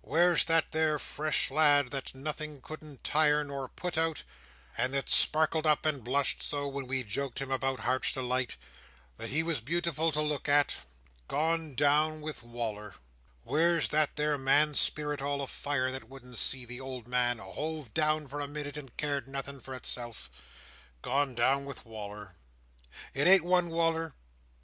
Where's that there fresh lad, that nothing couldn't tire nor put out, and that sparkled up and blushed so, when we joked him about Heart's Delight, that he was beautiful to look at? Gone down with Wal"r. Where's that there man's spirit, all afire, that wouldn't see the old man hove down for a minute, and cared nothing for itself? Gone down with Wal"r. It ain't one Wal"r.